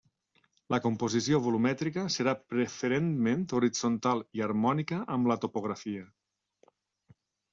La composició volumètrica serà preferentment horitzontal i harmònica amb la topografia.